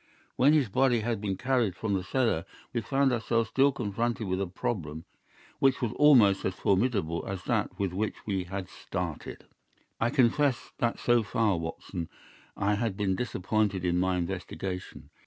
When his body had been carried from the cellar we found ourselves still confronted with a problem which was almost as formidable as that with which we had started. "I confess that so far, Watson, I had been disappointed in my investigation.